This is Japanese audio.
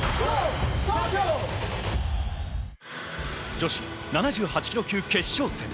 女子７８ｋｇ級決勝戦。